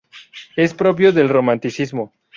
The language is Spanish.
Es propio del romanticismo.